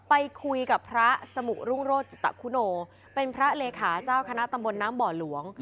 ไปคุยกับพระสมุรุ่งโรศจิตคุโนเป็นพระเลขาเจ้าคณะตำบลน้ำบ่อหลวง